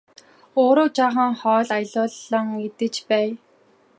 Өөрөө жаахан хоол аялуулан идэж байя!